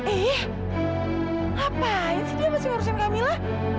eh ngapain sih dia masih ngurusin camilla